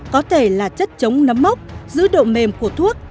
có thể là chất chống nấm mốc giữ độ mềm của thuốc